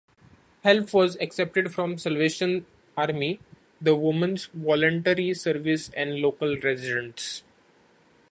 Help was accepted from the Salvation Army, the Women's Voluntary Service and local residents.